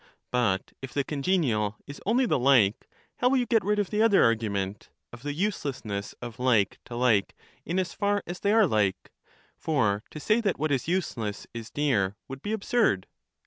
But if the con genial is only the like, how will you get rid of the other argument, of the uselessness of like to like in as far as they are like ; for to say that what is useless is dear, would be absurd?